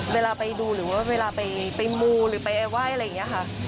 เวลาไปดูหรือว่าเวลาไปมูหรือไปไหว้อะไรอย่างนี้ค่ะ